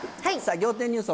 仰天ニュース